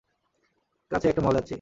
কাছেই একটা মলে আছি।